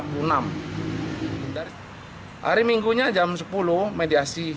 hari minggunya jam sepuluh mediasi